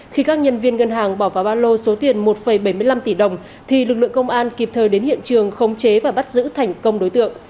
khi các nhân viên ngân hàng bỏ vào ba lô số tiền một bảy mươi năm tỷ đồng thì lực lượng công an kịp thời đến hiện trường không chế và bắt giữ thành công đối tượng